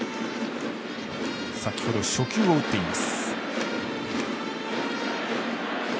先ほど初球を打っています。